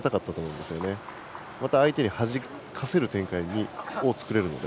また相手にはじかせる展開を作れるので。